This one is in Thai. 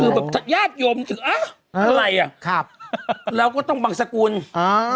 คือแบบญาติโยมถึงอ่ะอะไรอ่ะครับเราก็ต้องบังสกุลอ่า